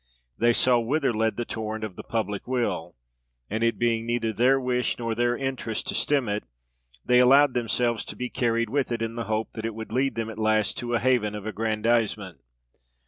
They saw whither led the torrent of the public will; and it being neither their wish nor their interest to stem it, they allowed themselves to be carried with it, in the hope that it would lead them at last to a haven of aggrandisement.